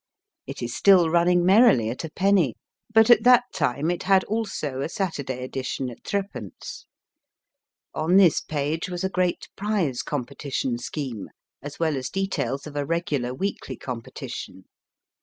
It is still running merrily at a penny, but at that LOOKING FOR TOOLE i66 MY FIRST BOOK time it had also a Saturday edition at threepence. On this page was a great prize competition scheme, as well as details of a regular weekly competition.